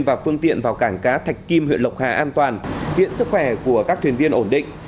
và phương tiện vào cảng cá thạch kim huyện lộc hà an toàn hiện sức khỏe của các thuyền viên ổn định